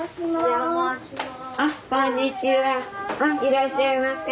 いらっしゃいませ。